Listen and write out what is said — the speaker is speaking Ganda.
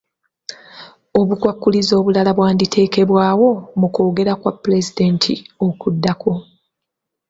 Obukwakkulizo obulala bwanditeekebwawo mu kwogera kwa pulezidenti okuddako.